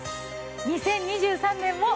２０２３年も。